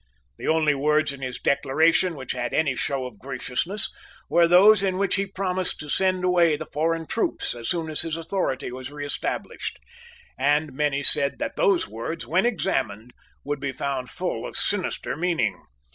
The only words in his Declaration which had any show of graciousness were those in which he promised to send away the foreign troops as soon as his authority was reestablished; and many said that those words, when examined, would be found full of sinister meaning.